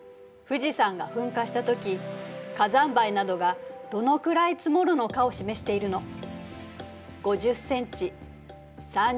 富士山が噴火したとき火山灰などがどのくらい積もるのかを示しているの。